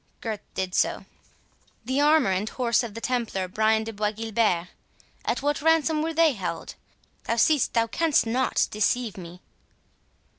Gurth did so. "The armour and horse of the Templar Brian de Bois Guilbert, at what ransom were they held?—Thou seest thou canst not deceive me."